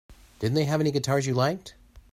Didn't they have any guitars you liked?